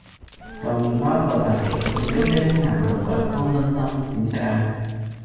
舊麵包過晒期凍冰冰硬掘掘乾爭爭點食呀